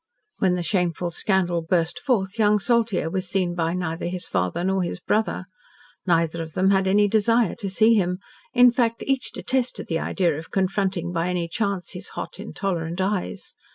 When the shameful scandal burst forth young Saltyre was seen by neither his father nor his brother. Neither of them had any desire to see him; in fact, each detested the idea of confronting by any chance his hot, intolerant eyes.